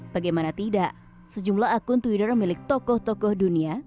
bagaimana tidak sejumlah akun twitter milik tokoh tokoh dunia